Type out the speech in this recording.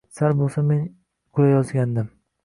Sal bo‘lsa men qulayozgandim.